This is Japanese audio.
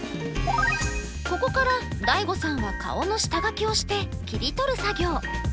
ここからＤＡＩＧＯさんは顔の下書きをして切り取る作業。